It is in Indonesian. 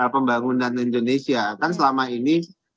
pembangunan indonesia kan selama ini